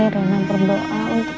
rana berdoa untuk